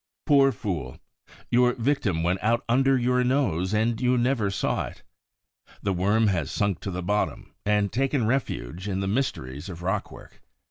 Poor fool! Your victim went out under your nose and you never saw it. The worm has sunk to the bottom and taken refuge in the mysteries of the rockwork.